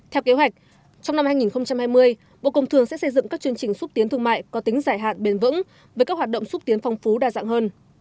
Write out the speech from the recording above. theo kế hoạch trong năm hai nghìn hai mươi bộ công thường sẽ xây dựng các chương trình xúc tiến thương mại có tính giải hạn bền vững với các hoạt động xúc tiến phong phú đa dạng hơn